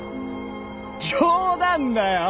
冗談だよ！